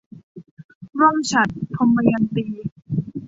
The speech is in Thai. ร่มฉัตร - ทมยันตี